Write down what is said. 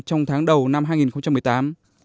trong tháng đầu năm hai nghìn một mươi tám